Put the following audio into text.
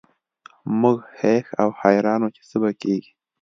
موږ هېښ او حیران وو چې څه به کیږي